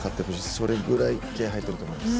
それぐらい気合が入っていると思います。